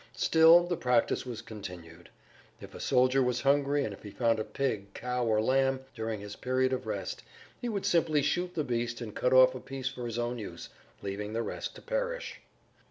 Still, the practice was continued. If a soldier was hungry and if he found a pig, cow, or lamb during his period of rest, he would simply shoot the beast and cut off a piece for his own use, leaving the rest to perish.